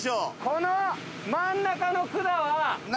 この真ん中の管は。